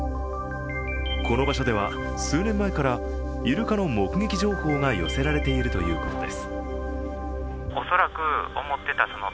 この場所では、数年前からイルカの目撃情報が寄せられているということです。